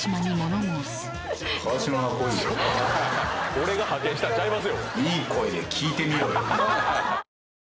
俺が派遣したんちゃいますよ。